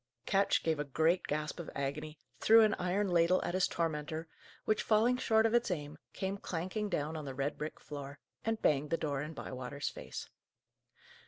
Ketch gave a great gasp of agony, threw an iron ladle at his tormentor, which, falling short of its aim, came clanking down on the red brick floor, and banged the door in Bywater's face.